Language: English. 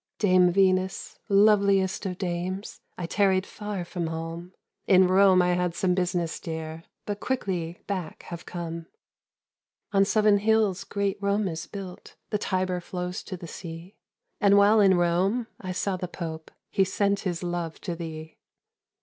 "Dame Venus, loveliest of dames, I tarried far from home. In Rome I had some business, dear, But quickly back have come. "On seven hills great Rome is built, The Tiber flows to the sea. And while in Rome I saw the Pope; He sent his love to thee.